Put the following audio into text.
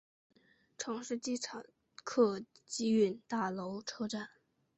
城市机场客运大楼车站。